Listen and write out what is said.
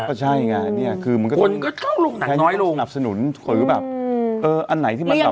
ก็ใช่ไงเนี้ยคือมันก็คนก็ช่องลงหนังน้อยลงใช้ที่มันสนับสนุนคือแบบเอออันไหนที่มันแบบ